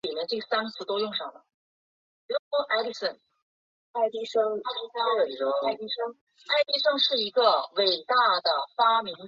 峨眉轮环藤为防己科轮环藤属轮环藤下的一个变型。